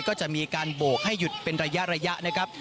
ก็จะมีการโบกให้หยุดเป็นระยะนะครับ